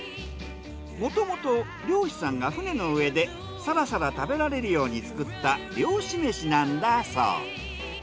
もともと漁師さんが船の上でサラサラ食べられるように作った漁師めしなんだそう。